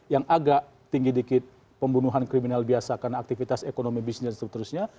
yang agak tinggi dikit pembunuhan kriminal biasa karena aktivitas ekonomi bisnis dan seterusnya